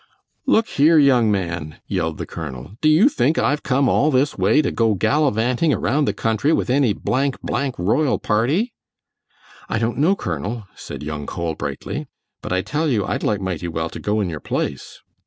"Look here, young man," yelled the colonel, "do you think I've come all this way to go gallivanting around the country with any blank, blank royal party?" "I don't know, Colonel," said young Cole, brightly; "but I tell you I'd like mighty well to go in your place."